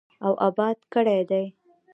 او اباد کړی دی.